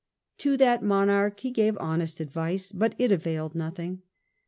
To that monarch he gave honest advice, but it availed nothing.